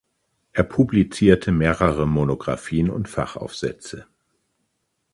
Er publizierte mehrere Monographien und Fachaufsätze.